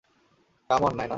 Come on, Naina.